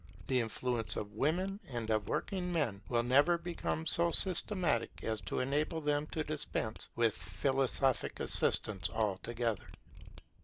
The influence of women and of working men will never become so systematic as to enable them to dispense with philosophic assistance altogether.